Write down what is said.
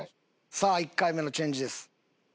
さあ１回目のチェンジです。